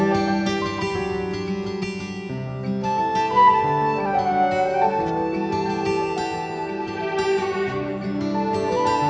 tempuk di tangan